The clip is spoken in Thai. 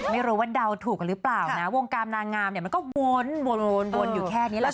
ไม่รู้ว่าเดาถูกกันหรือเปล่านะวงการนางงามเนี่ยมันก็วนอยู่แค่นี้แหละ